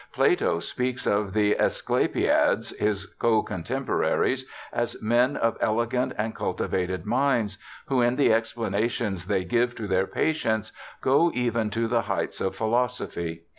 Plato speaks of the Asclepiades, his cotemporaries, as men of elegant and cultivated minds, who, in the explanations they give to their patients, go even to the heights of philosophy.